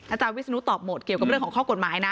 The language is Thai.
อาจารย์วิศนุตอบหมดเกี่ยวกับเรื่องของข้อกฎหมายนะ